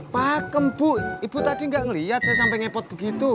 pakem bu ibu tadi gak ngeliat saya sampe ngepot begitu